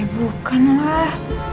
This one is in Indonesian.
ya bukan lah